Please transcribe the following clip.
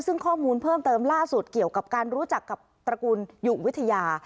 ซึ่งข้อมูลเพิ่มเติมล่าสุดเกี่ยวกับการรู้จักกับตระกูลอยู่วิทยา